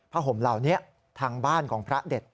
ห่มเหล่านี้ทางบ้านของพระเด็ด